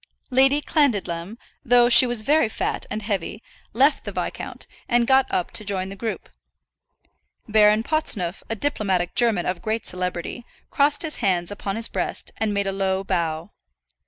Lady Clandidlem, though she was very fat and heavy, left the viscount, and got up to join the group. Baron Potsneuf, a diplomatic German of great celebrity, crossed his hands upon his breast and made a low bow.